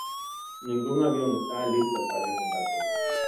Ningún avión estaba listo para el combate.